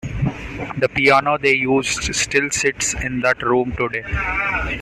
The piano they used still sits in that room today.